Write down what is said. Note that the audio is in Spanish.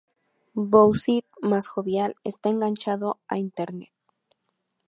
Bouzid, más jovial, está enganchado a Internet.